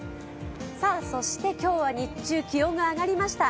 そして今日は日中、気温が上がりました。